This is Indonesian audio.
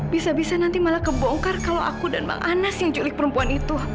bisa bisa nanti malah kebongkar kalau aku dan bang anas yang culik perempuan itu